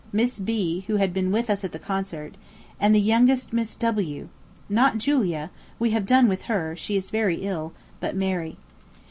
Miss B., who had been with us at the concert, and the youngest Miss W. Not Julia; we have done with her; she is very ill; but Mary.